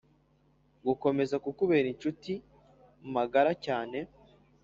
gukomeza kukubera incuti magara cyane